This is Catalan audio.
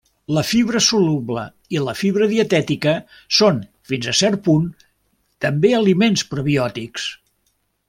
La fibra soluble i la fibra dietètica són fins a cert punt també aliments prebiòtics.